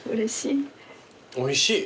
おいしい。